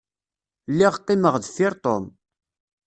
Lliɣ qqimeɣ deffir Tom.